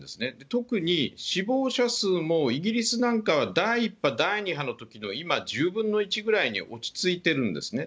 特に死亡者数も、イギリスなんかは第１波、第２波のときの、今、１０分の１ぐらいに落ち着いてるんですね。